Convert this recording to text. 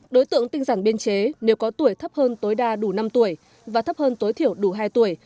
đối tượng tinh giản biên chế nếu có tuổi thấp hơn tối đa đủ năm tuổi và thấp hơn tối thiểu đủ hai tuổi